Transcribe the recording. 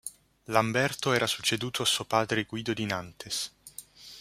Lamberto era succeduto a suo padre Guido di Nantes.